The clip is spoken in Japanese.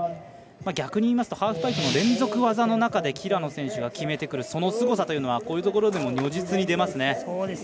逆に言いますとハーフパイプの連続技の中で平野選手が決めてくるそのすごさというのはこういうところでも如実に出ますね。